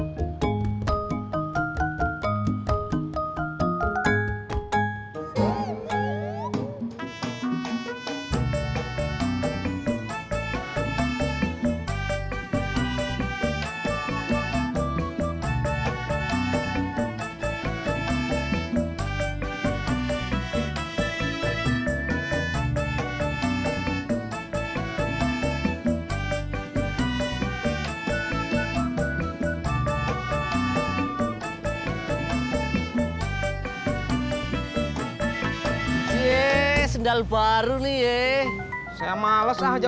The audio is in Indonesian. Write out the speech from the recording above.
cuma buat beres beres rumah saja